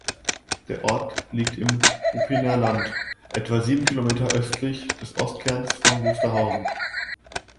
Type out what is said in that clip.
Der Ort liegt im Ruppiner Land, etwa sieben Kilometer östlich des Ortskerns von Wusterhausen.